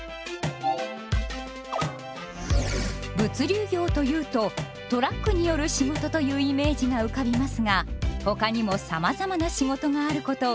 物流業というとトラックによる仕事というイメージが浮かびますがほかにもさまざまな仕事があることを知っていますか？